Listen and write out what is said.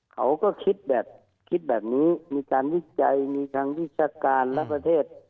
เขาก็คิดแบบนี้มีการวิจัยวิชาการและประเทศ